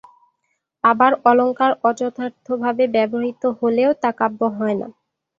আবার, অলঙ্কার অযথার্থভাবে ব্যবহূত হলেও তা কাব্য হয় না।